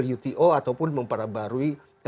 wto ataupun memperbarui